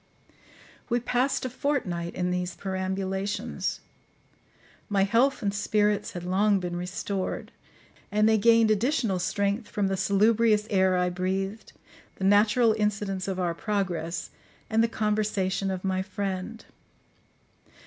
We passed a fortnight in these perambulations: my health and spirits had long been restored, and they gained additional strength from the salubrious air I breathed, the natural incidents of our progress, and the conversation of my friend.